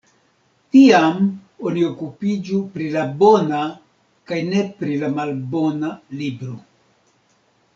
Tiam oni okupiĝu pri la bona, kaj ne pri la malbona libro!